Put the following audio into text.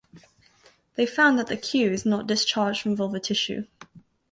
They found that the cue is not discharged from vulva tissue.